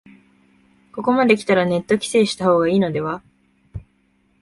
ここまできたらネット規制した方がいいのでは